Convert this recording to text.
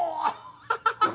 ハハハハ。